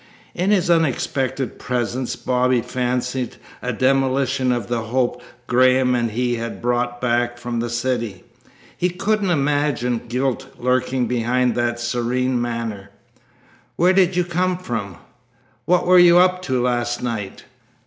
In his unexpected presence Bobby fancied a demolition of the hope Graham and he had brought back from the city. He couldn't imagine guilt lurking behind that serene manner. "Where did you come from? What were you up to last night?"